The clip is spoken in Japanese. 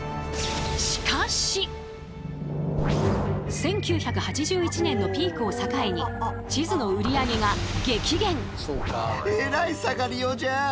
１９８１年のピークを境に地図の売り上げが激減。